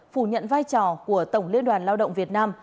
phủ nhận vai trò của tổng liên đoàn lao động việt nam